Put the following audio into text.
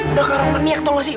udah kan aku peniak tolong sih